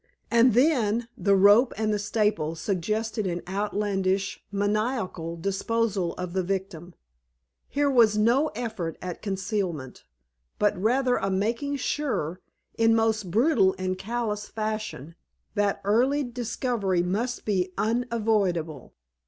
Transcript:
And then, the rope and the staple suggested an outlandish, maniacal disposal of the victim. Here was no effort at concealment, but rather a making sure, in most brutal and callous fashion, that early discovery must be unavoidable.